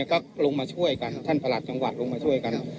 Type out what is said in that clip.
ก็ลงมาช่วยกันท่านประหลัดจังหวัดลงมาช่วยกัน